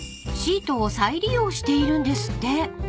［シートを再利用しているんですって］